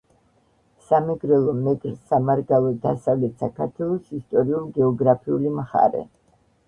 სამეგრელო მეგრ. სამარგალო დასავლეთ საქართველოს ისტორიულ-გეოგრაფიული მხარე.